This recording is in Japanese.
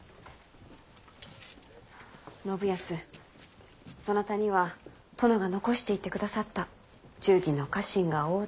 信康そなたには殿が残していってくださった忠義の家臣が大勢おる。